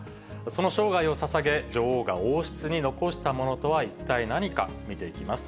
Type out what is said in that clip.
その生涯をささげ、女王が王室に残したものとは一体何か、見ていきます。